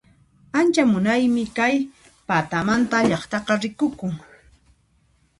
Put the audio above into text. Ancha munaymi kay patamanta llaqtaqa rikukun